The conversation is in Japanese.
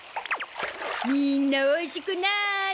みんなおいしくなあれ。